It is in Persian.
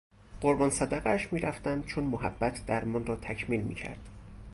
قربان صدقهاش میرفتم چون محبت درمان را تکمیل میکرد